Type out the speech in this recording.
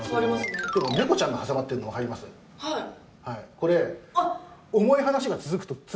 これ。